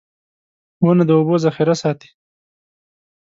• ونه د اوبو ذخېره ساتي.